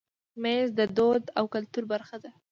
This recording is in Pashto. مېز د دود او کلتور برخه ده.